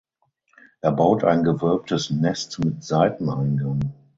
Er baut ein gewölbtes Nest mit Seiteneingang.